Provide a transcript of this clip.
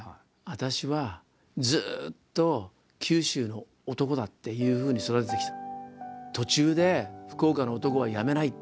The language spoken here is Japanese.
「私はずっと九州の男だっていうふうに育ててきた」と。